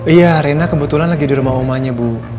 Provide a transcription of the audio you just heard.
iya rena kebetulan lagi di rumah omanya bu